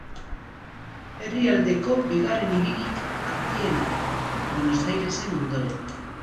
Herrialdeko bigarren hiririk handiena da, Buenos Airesen ondoren.